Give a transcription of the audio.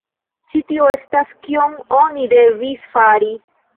Ĉi tio estas kion oni devis fari.